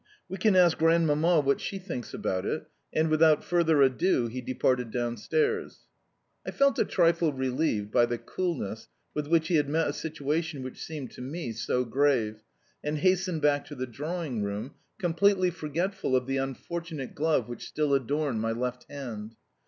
We can ask Grandmamma what she thinks about it," and without further ado he departed downstairs. I felt a trifle relieved by the coolness with which he had met a situation which seemed to me so grave, and hastened back to the drawing room, completely forgetful of the unfortunate glove which still adorned my left hand.